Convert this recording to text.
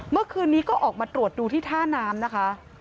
เมื่อคืนนี้ก็ออกมาตรวจดูที่ท่าน้ำนะคะ